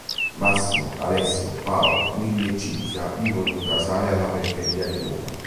Massimo, Alessio, Paolo, Milly e Cinzia vivono in un casale alla periferia di Roma.